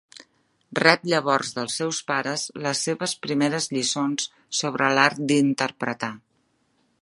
Rep llavors dels seus pares les seves primeres lliçons sobre l'art d’interpretar.